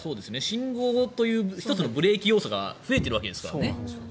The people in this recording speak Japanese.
信号という１つのブレーキ要素が増えてるわけですからね。